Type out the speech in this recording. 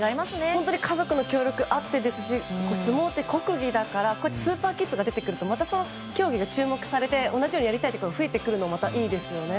本当に家族の協力あってですし相撲って国技だからスーパーキッズが出てくるとまた競技が注目されて同じようにやりたい子が増えてくるのもいいですよね。